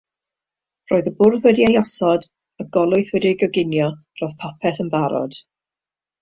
Roedd y bwrdd wedi'i osod, y golwyth wedi'i goginio, roedd popeth yn barod.